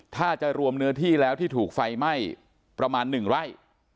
ถ้าจะรวมเนื้อที่แล้วที่ถูกไฟไหม้ประมาณ๑ไร่